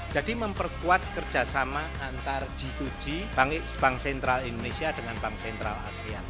jadi memperkuat kerjasama antar g dua g bank central indonesia dengan bank central asean